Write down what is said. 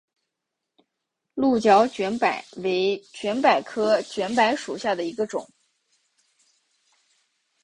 鹿角卷柏为卷柏科卷柏属下的一个种。